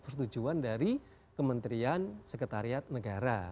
persetujuan dari kementerian sekretariat negara